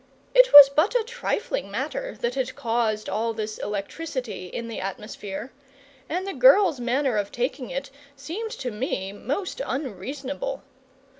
It was but a trifling matter that had caused all this electricity in the atmosphere, and the girls' manner of taking it seemed to me most unreasonable.